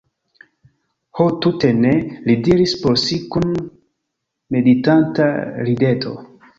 Ho tute ne, li diris por si kun meditanta rideto.